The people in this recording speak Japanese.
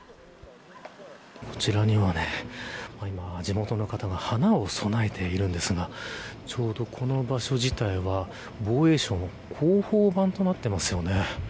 こちらには、今地元の方が花を供えているのですがちょうどこの場所自体は防衛省の広報板となっています。